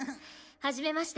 はじめまして。